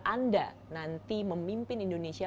anda nanti memimpin indonesia